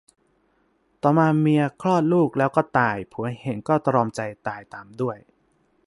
ต่อมาเมียคลอดลูกแล้วก็ตาย ผัวเห็นก็ตรอมใจตายตามด้วย